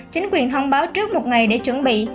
chính quyền thông báo trước một ngày để chuẩn bị